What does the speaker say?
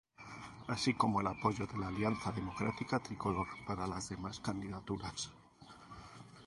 Así como el apoyo de la Alianza Democrática Tricolor para las demás candidaturas.